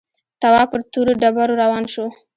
تواب پر تورو ډبرو روان شو.